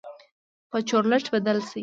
به چورلټ بدل شي.